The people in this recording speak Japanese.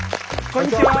こんにちは！